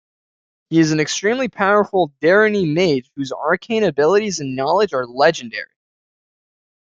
He is an extremely powerful Deryni mage whose arcane abilities and knowledge are legendary.